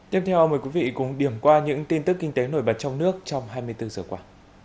tiếp theo mời quý vị cùng điểm qua những tin tức kinh tế nổi bật trong nước trong hai mươi bốn giờ qua